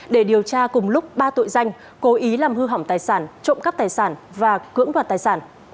để điều tra cùng lúc ba tội danh cố ý làm hư hỏng tài sản trộm cắp tài sản và cưỡng đoạt tài sản